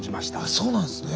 そうなんすね。